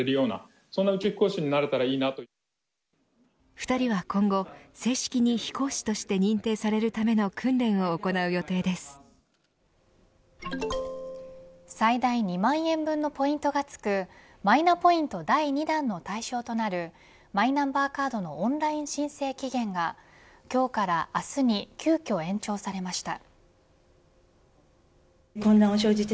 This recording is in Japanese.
２人は今後、正式に飛行士として認定されるための最大２万円分のポイントがつくマイナポイント第２弾の対象となるマイナンバーカードのオンライン申請期限が今日から明日に急きょ延長されました。